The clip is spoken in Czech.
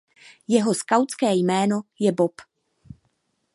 Jeho skautské jméno je Bob.